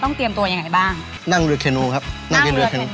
ต้องเตรียมตัวอย่างไรบ้างนั่งเรือเคนูครับนั่งเรือเคนู